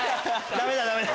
ダメだダメだ！